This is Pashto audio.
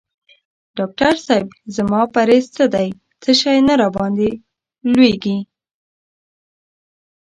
ډاکټر صېب زما پریز څه دی څه شی نه راباندي لویږي؟